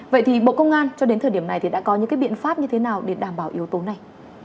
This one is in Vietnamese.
vậy thì bộ công an cho đến thời điểm này thì đã có những biện pháp như thế nào để đảm bảo yếu tố này